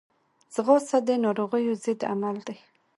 ځغاسته د ناروغیو ضد عمل دی